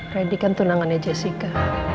randy kan tunangannya jessica